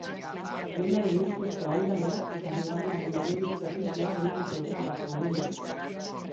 Lehenaren ustezko ahuldadea eta bigarrenaren gehiegizko pisua benetako traba izango dira.